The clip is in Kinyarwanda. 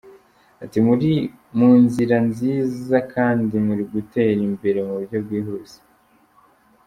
Ati: “Muri mu nzira nziza kandi muri gutera imbere mu buryo bwihuse.